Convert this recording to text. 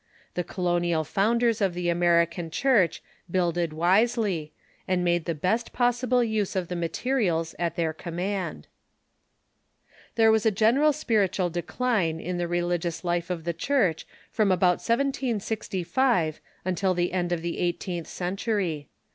The colonial founders of the American Church builded wisely, and made the best possible use of the materials at their command. There was a general spiritual decline in the religious life of 496 THE CHUKCII IN THE UNITED STATES the Church from about 1765 until the end of the eigliteenth centur}'.